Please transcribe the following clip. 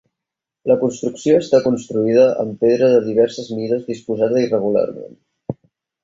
La construcció està construïda amb pedra de diverses mides disposada irregularment.